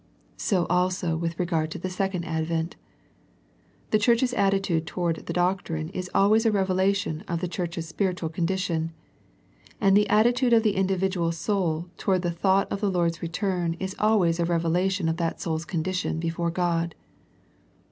So also with regard to the second advent. The church's attitude toward the doctrine is always a revelation of the church's spiritual condition; and the attitude of the individual soul toward the thought of the Lord's return is always a revelation of that soul's condition before God.